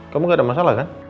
kamu gak ada masalah kan